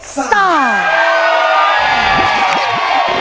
ซ่าบางกอก